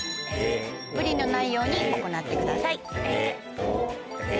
無理のないように行ってください。